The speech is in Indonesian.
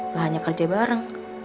gak hanya kerja bareng